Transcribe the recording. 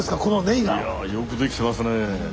いやよくできてますねえ。